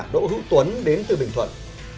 đỗ hữu tuấn đến từ bình thuận